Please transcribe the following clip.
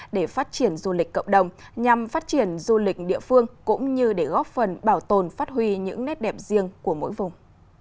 để phát triển du lịch cộng đồng nhằm phát triển du lịch địa phương cũng như để góp phần bảo tồn phát huy những nét đẹp riêng của mỗi vùng